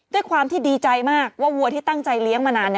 ด้วยความที่ดีใจมากว่าวัวที่ตั้งใจเลี้ยงมานาน